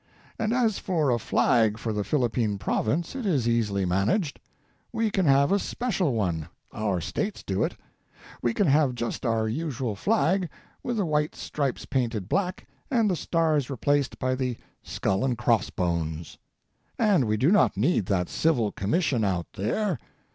And as for a flag for the Philippine Province, it is easily managed. We can have a special one — our States do it : we can have just our usual flag, with the white stripes painted black and the stars replaced by the skull and cross bones. And we do not need that Civil Commission out there.